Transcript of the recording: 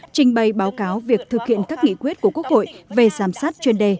trình bày báo cáo việc thực hiện các nghị quyết của quốc hội về giám sát chuyên đề